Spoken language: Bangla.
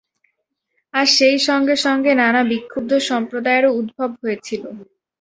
আর সেই সঙ্গে সঙ্গে নানা বিক্ষুদ্ধ সম্প্রদায়েরও উদ্ভব হয়েছিল।